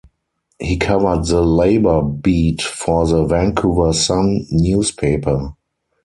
He covered the labour beat for the "Vancouver Sun" newspaper.